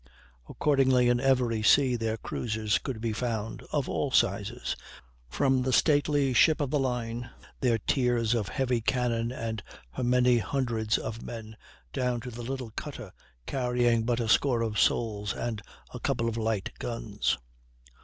Accordingly in every sea their cruisers could be found, of all sizes, from the stately ship of the line, with her tiers of heavy cannon and her many hundreds of men, down to the little cutter carrying but a score of souls and a couple of light guns.